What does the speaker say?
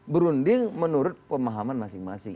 berunding menurut pemahaman masing masing